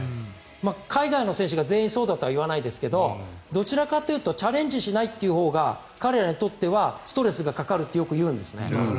海外の選手が全員そうだとは言わないですがどちらかというとチャレンジしないというほうが彼らにとってはストレスがかかるってよく言うんですね。